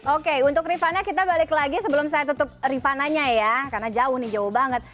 oke untuk rifana kita balik lagi sebelum saya tutup rifananya ya karena jauh nih jauh banget